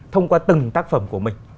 thông qua từng tác phẩm của mình